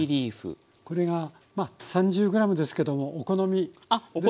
これがまあ３０ｇですけどもお好みですかね？